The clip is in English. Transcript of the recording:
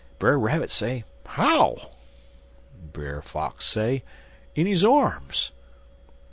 Brer Rabbit say how? Brer Fox say in his arms.